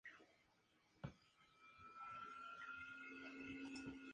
Fue criado por sus padres humildes campesinos que lucharon para responder por la familia.